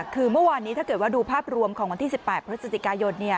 คือเมื่อวานนี้ถ้าเกิดว่าดูภาพรวมของวันที่๑๘พฤศจิกายน